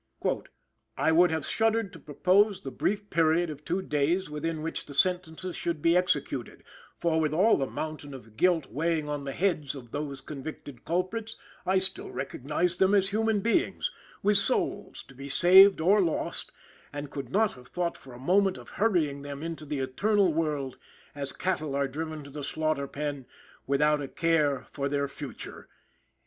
"I would have shuddered to propose the brief period of two days within which the sentences should be executed, for with all the mountain of guilt weighing on the heads of those convicted culprits I still recognized them as human beings, with souls to be saved or lost, and could not have thought for a moment of hurrying them into the eternal world, as cattle are driven to the slaughter pen, without a care for their future."